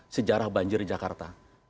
sejarah banjir jakarta